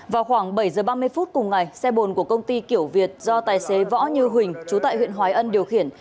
vào khoảng bảy h ba mươi phút cùng ngày xe bồn của công ty kiểu việt do tài xế võ như huỳnh chú tại huyện hoài ân điều khiển